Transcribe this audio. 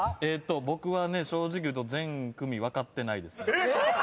僕はね正直言うと全組分かってないです。